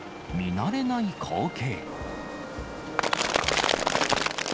慣れない光景。